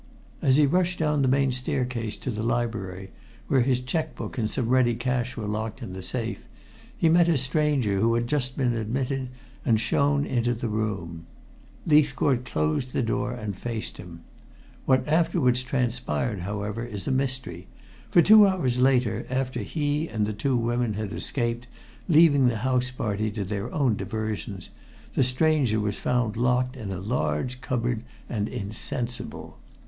As he rushed down the main staircase to the library, where his check book and some ready cash were locked in the safe, he met a stranger who had just been admitted and shown into the room. Leithcourt closed the door and faced him. What afterwards transpired, however, is a mystery, for two hours later, after he and the two women had escaped, leaving the house party to their own diversions, the stranger was found locked in a large cupboard and insensible.